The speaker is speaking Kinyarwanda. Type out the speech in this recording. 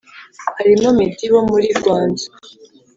harimo medi wo muri gwanzu